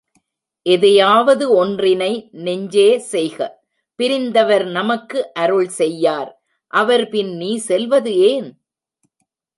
எதையாவது ஒன்றனை நெஞ்சே செய்க. பிரிந்தவர் நமக்கு அருள் செய்யார் அவர்பின் நீ செல்வது ஏன்?